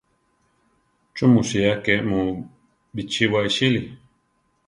¿Chú mu sía ké mu bichíwa iʼsíli?